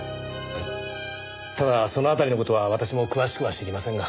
ただその辺りの事は私も詳しくは知りませんが。